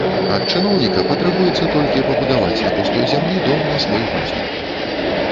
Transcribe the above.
Ад чыноўніка патрабуецца толькі пабудаваць на пустой зямлі дом на свой густ.